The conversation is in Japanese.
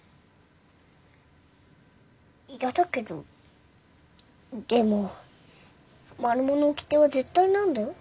嫌だけどでもマルモのおきては絶対なんだよ。